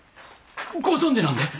ご存じなんで！？